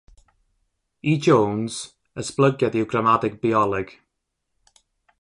I Jones, ‘esblygiad yw gramadeg bioleg'.